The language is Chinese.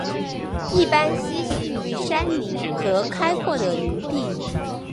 一般栖息于山林和开阔的林地。